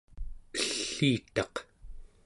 elliitaq